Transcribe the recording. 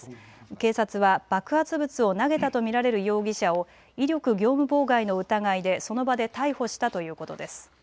警察は爆発物を投げたと見られる容疑者を威力業務妨害の疑いでその場で逮捕したということです。